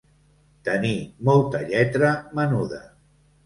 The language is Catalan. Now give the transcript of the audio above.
Tenir molta lletra menuda.